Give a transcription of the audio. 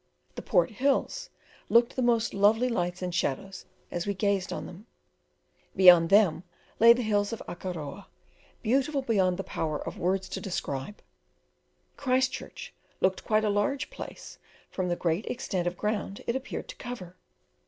The Port Hills took the most lovely lights and shadows as we gazed on them; beyond them lay the hills of Akaroa, beautiful beyond the power of words to describe. Christchurch looked quite a large place from the great extent of ground it appeared to cover.